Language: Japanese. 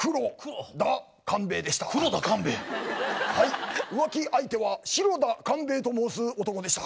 はい浮気相手は白田官兵衛と申す男でした。